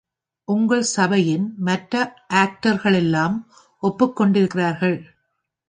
உங்கள் சபையின் மற்ற ஆக்டர்களெல்லாம் ஒப்புக் கொண்டிருக்கிறார்கள்.